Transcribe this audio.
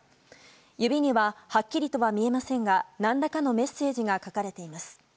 指にははっきりとは見えませんが何らかのメッセージが書かれています。